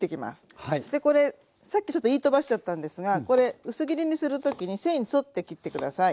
そしてこれさっきちょっと言い飛ばしちゃったんですがこれ薄切りにする時に繊維に沿って切って下さい。